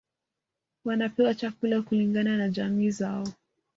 Wanapewa chakula kulingana na jamii zao